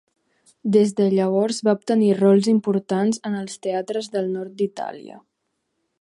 Des de llavors va obtenir rols importants en els teatres del nord d'Itàlia.